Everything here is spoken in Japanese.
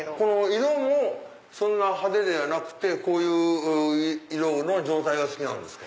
色もそんな派手ではなくてこういう色の状態が好きなんですか？